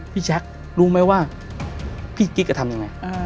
พี่แจ๊ครู้ไหมว่าพี่กิ๊กจะทำยังไง